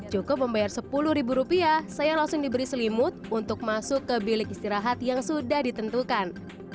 cukup membayar sepuluh ribu rupiah saya langsung diberi selimut untuk masuk ke bilik istirahat yang sudah ditentukan